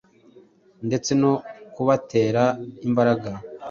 ndetse no kubatera imbaraga